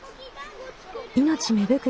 命芽吹く